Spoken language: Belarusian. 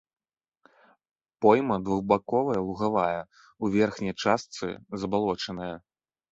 Пойма двухбаковая, лугавая, у верхняй частцы забалочаная.